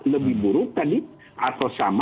lebih buruk tadi atau sama